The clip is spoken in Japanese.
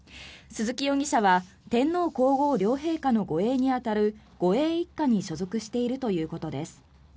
鈴木容疑者は天皇・皇后両陛下の護衛に当たる護衛１課に所属しているということです。